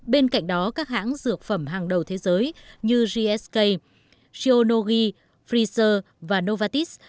bên cạnh đó các hãng dược phẩm hàng đầu thế giới như gsk shionogi freezer và novartis